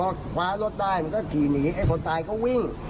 อาราศาลเขาตามไปเจอ